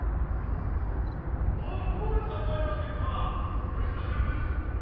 お毛利さんじゃありませんかお久しぶりです。